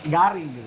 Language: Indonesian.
garing gitu ya